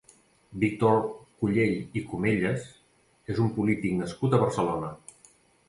Víctor Cullell i Comellas és un polític nascut a Barcelona.